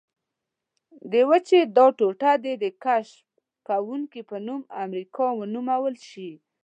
د وچې دا ټوټه دې د کشف کوونکي په نوم امریکا ونومول شي.